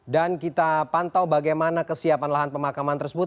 dan kita pantau bagaimana kesiapan lahan pemakaman tersebut